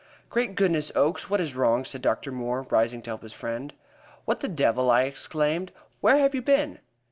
"Great goodness, Oakes, what is wrong?" said Dr. Moore, rising to help his friend. "What the devil!" I exclaimed. "Where have you been?"